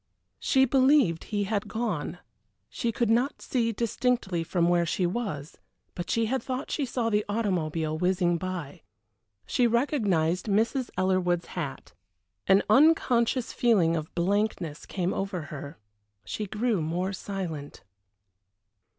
She believed he had gone. She could not see distinctly from where she was, but she had thought she saw the automobile whizzing by. She recognized Mrs. Ellerwood's hat. An unconscious feeling of blankness came over her. She grew more silent.